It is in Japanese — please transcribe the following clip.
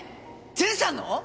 善さんの！？